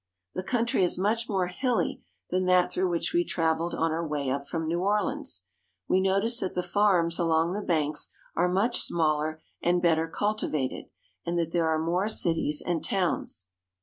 The country is much more hilly than that through which we traveled on our way up from New Orleans. We notice that the farms along the banks are much smaller and better cultivated, and that there are more cities and towns.